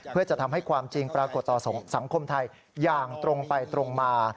เพื่อจะทำให้ความจริงปรากฏต่อสังคมไทยอย่างตรงไปตรงมา